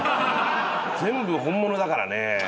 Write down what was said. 全部本物だからね。